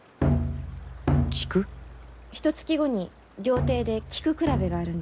ひとつき後に料亭で菊比べがあるんです。